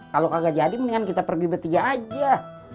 kalau kagak jadi mendingan kita pergi bertiga aja